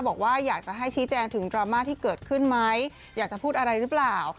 บอกว่าอยากจะให้ชี้แจงถึงดราม่าที่เกิดขึ้นไหมอยากจะพูดอะไรหรือเปล่า